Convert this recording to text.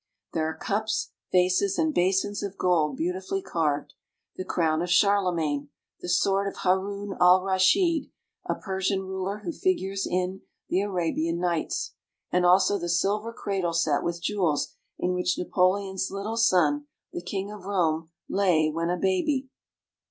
There are cups, vases, and basins of gold beautifully carved, the crown of Charlemagne, the sword of Haroun al Raschid, a Persian ruler who figures in the "Arabian Nights," and also the silver cradle set with jewels in which Napoleon's little son, the king of Rome, lay when a baby.